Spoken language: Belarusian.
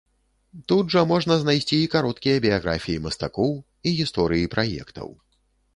Тут жа можна знайсці і кароткія біяграфіі мастакоў, і гісторыі праектаў.